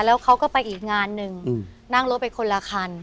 แล้วเขาก็ไปอีกงานหนึ่งนั่งรถไปคนละคัน